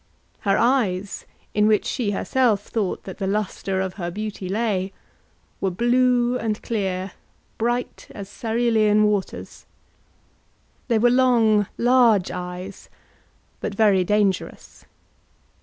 Her eyes, in which she herself thought that the lustre of her beauty lay, were blue and clear, bright as cerulean waters. They were long large eyes, but very dangerous.